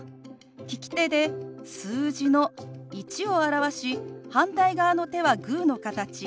利き手で数字の「１」を表し反対側の手はグーの形。